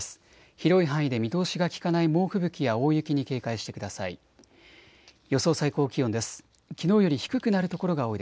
広い範囲で見通しが利かない猛吹雪や大雪に警戒してください。